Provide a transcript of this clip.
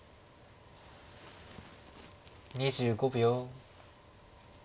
２５秒。